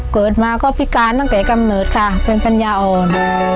เกิดมาก็พิการตั้งแต่กำเนิดค่ะเป็นปัญญาอ่อน